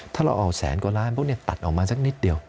ถ้าเราออกแสนกว่าล้านพวกนี้ตัดออกมาสักนิดเดียว